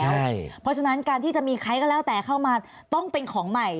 เพราะฉะนั้นการที่จะมีใครก็แล้วแต่เข้ามาต้องเป็นของใหม่